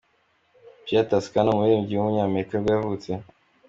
Pia Toscano, uuririmbyikazi w’umunyamerika nibwo yavutse.